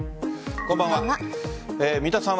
こんばんは。